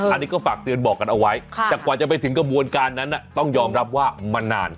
อันนี้ก็ฝากเตือนบอกกันเอาไว้แต่กว่าจะไปถึงกระบวนการนั้นต้องยอมรับว่ามันนาน